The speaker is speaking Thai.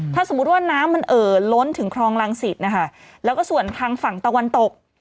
ถ้าสมมุติว่าน้ำมันเอ่อล้นถึงคลองรังสิตนะคะแล้วก็ส่วนทางฝั่งตะวันตก